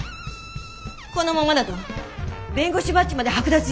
このままだと弁護士バッジまで剥奪よ。